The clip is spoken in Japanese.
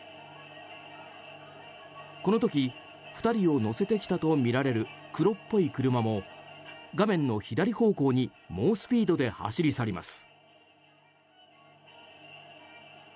この時、２人を乗せてきたとみられる黒っぽい車も画面の左方向に猛スピードで走り去ります。